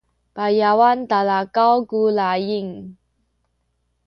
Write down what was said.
payawan talakaw ku laying